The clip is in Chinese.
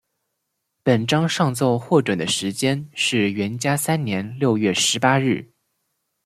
本章上奏获准的时间是元嘉三年六月十八日。